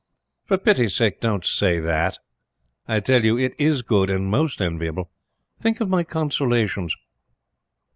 "For pity's sake, don't say that! I tell you, it IS good and most enviable. Think of my consolations!"